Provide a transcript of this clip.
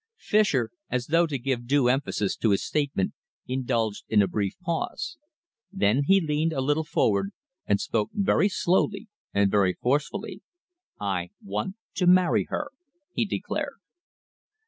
Fischer, as though to give due emphasis to his statement, indulged in a brief pause. Then he leaned a little forward and spoke very slowly and very forcibly. "I want to marry her," he declared.